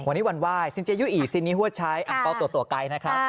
วันนี้วันวายสินเจยุอีสินนี่ฮัวชัยอังเป้าตัวไกลนะครับ